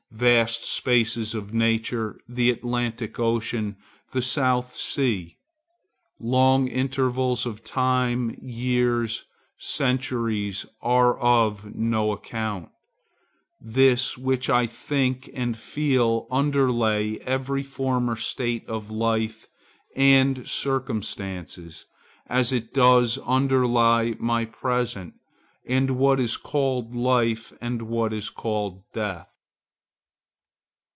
Vast spaces of nature, the Atlantic Ocean, the South Sea; long intervals of time, years, centuries, are of no account. This which I think and feel underlay every former state of life and circumstances, as it does underlie my present, and what is called life, and what is called death.